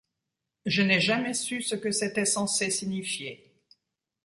Je n’ai jamais su ce que c’était censé signifier.